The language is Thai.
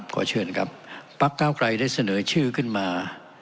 ขอเชิญครับพักเก้าไกรได้เสนอชื่อขึ้นมา